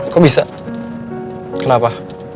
kok bisa kenapa